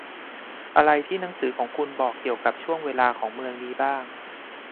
อะไรที่หนังสือของคุณบอกเกี่ยวกับช่วงเวลาของเมืองนี้บ้าง